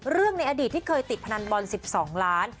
ในอดีตที่เคยติดพนันบอล๑๒ล้าน